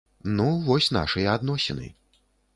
Ну, вось нашыя адносіны.